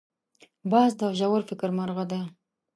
باز د ژور فکر مرغه دی